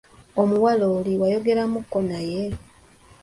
Omuwala oli wayogeremuuko naye?